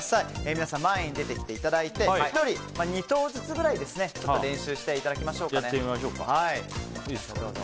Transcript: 皆さん前に出てきていただいて１人２投ずつぐらい練習していただきましょう。